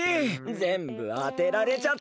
ぜんぶあてられちゃった！